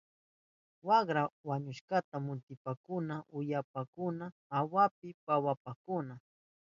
Wakra wañushkata muktishpankuna ullawankakuna awapi pawarihunkuna.